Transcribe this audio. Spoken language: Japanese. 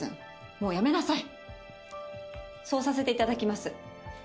もうやめなさいそうさせていただきます